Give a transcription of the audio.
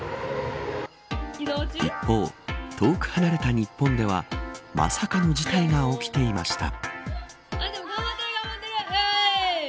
一方、遠く離れた日本ではまさかの事態が起きていました。